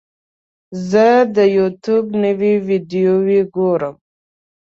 زه د یوټیوب نوې ویډیو ګورم.